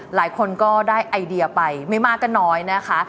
หลายคนก็ได้ไอเดียไปไม่มากก็น้อยนะคะ